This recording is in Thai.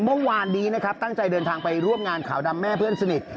เมื่อวานนี้นะครับตั้งใจเดินทางไปร่วมงานขาวดำแม่เพื่อนสนิท